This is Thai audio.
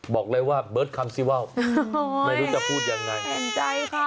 บอกเลยว่าเบิร์ตคำซิว่าวไม่รู้จะพูดยังไงเต็มใจค่ะ